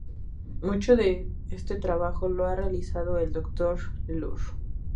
Mucho de este trabajo lo ha realizado el Dr. C. Luer.